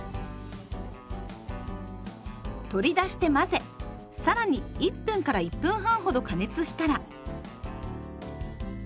取り出して混ぜ更に１分から１分半ほど加熱したら。